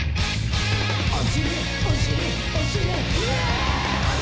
おしりおしりおしりイエッ！